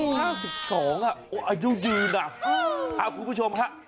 เก้าสิบสองอ่ะโอ้อายุดีน่ะอืมอ่าคุณผู้ชมค่ะ